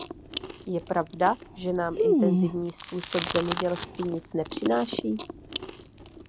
Je pravda, že nám intenzivní způsob zemědělství nic nepřináší?